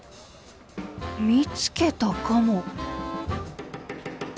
見つけたかも。